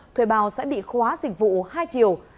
thuê bao sẽ bị khóa dịch vụ hai triệu